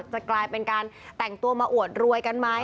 จะกลายเป็นการแต่งตัวมาอวดรวยกันไหม